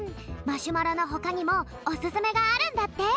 マシュマロのほかにもおすすめがあるんだって。